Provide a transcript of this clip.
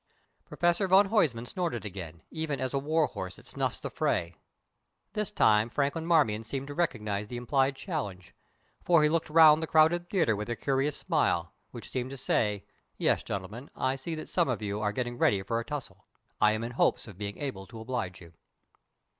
Professor van Huysman snorted again, even as a war horse that snuffs the fray. This time Franklin Marmion seemed to recognise the implied challenge, for he looked round the crowded theatre with a curious smile, which seemed to say: "Yes, gentlemen, I see that some of you are getting ready for a tussle. I am in hopes of being able to oblige you."